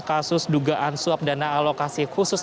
kasus dugaan suap dana alokasi khusus